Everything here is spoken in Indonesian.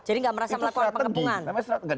jadi nggak merasa melakukan pengepungan